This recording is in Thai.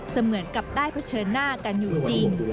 เหมือนกับได้เผชิญหน้ากันอยู่จริง